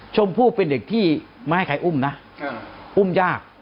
ชมพู่เป็นเด็กที่ไม่ให้ใครอุ้มนะอุ้มยาก